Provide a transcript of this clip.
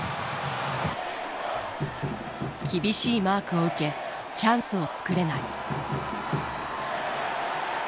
厳しいマークを受けチャンスをつくれない。